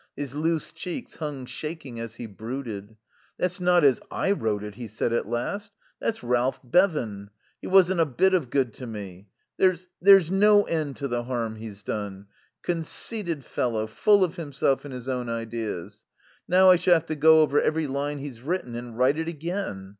His loose cheeks hung shaking as he brooded. "That's not as I, wrote it," he said at last. "That's Ralph Bevan. He wasn't a bit of good to me. There's there's no end to the harm he's done. Conceited fellow, full of himself and his own ideas. Now I shall have to go over every line he's written and write it again.